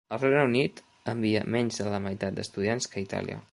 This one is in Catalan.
El Regne Unit envia menys de la meitat d'estudiants que Itàlia.